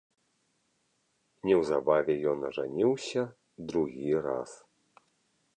Неўзабаве ён ажаніўся другі раз.